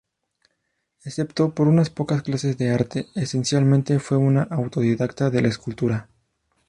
Excepto por unas pocas clases de arte, esencialmente fue un autodidacta de la escultura.